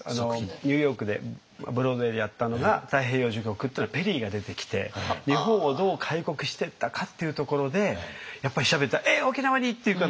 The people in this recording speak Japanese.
ニューヨークでブロードウェイでやったのが「太平洋序曲」っていうのはペリーが出てきて日本をどう開国していったかっていうところでやっぱり調べたら「えっ沖縄に！」っていう感じで。